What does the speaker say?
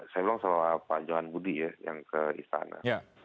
saya bilang soal pak johan budi ya yang ke istana